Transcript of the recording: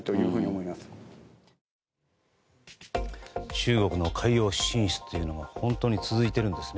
中国の海洋進出というのは本当に続いているんですね。